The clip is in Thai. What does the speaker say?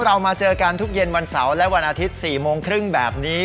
เรามาเจอกันทุกเย็นวันเสาร์และวันอาทิตย์๔โมงครึ่งแบบนี้